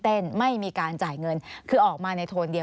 สนุนโดยน้ำดื่มสิง